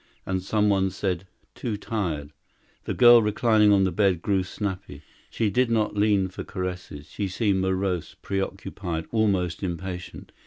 And some one said: "Too tired!" The girl reclining on the bed grew snappy. She did not lean for caresses. She seemed morose, preoccupied, almost impatient.